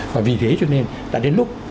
và vì thế cho nên đã đến lúc